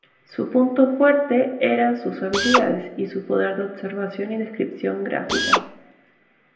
Su punto fuerte eran sus habilidades y su poder de observación y descripción gráfica.